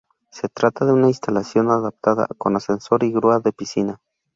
Se trata de una instalación adaptada, con ascensor y grúa de piscina.